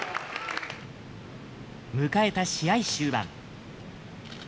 迎えた試合終盤。